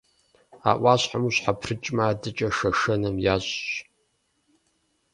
А ӏуащхьэм ущхьэпрыкӏмэ, адэкӏэ Шэшэным ящӏщ.